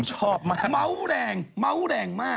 ชอบมากเมาวแรงเมงมาก